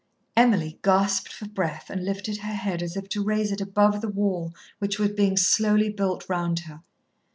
Emily gasped for breath, and lifted her head as if to raise it above the wall which was being slowly built round her.